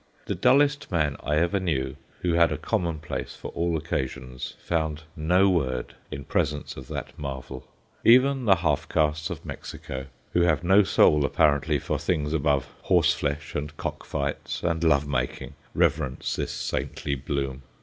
The dullest man I ever knew, who had a commonplace for all occasions, found no word in presence of that marvel. Even the half castes of Mexico who have no soul, apparently, for things above horseflesh and cockfights, and love making, reverence this saintly bloom.